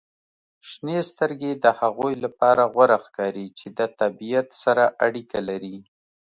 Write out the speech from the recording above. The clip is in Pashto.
• شنې سترګې د هغوی لپاره غوره ښکاري چې د طبیعت سره اړیکه لري.